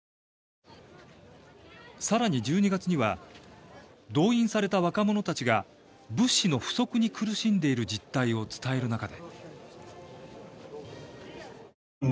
さらに、１２月には動員された若者たちが物資の不足に苦しんでいる実態を伝える中で。